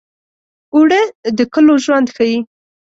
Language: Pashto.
اوړه د کلو ژوند ښيي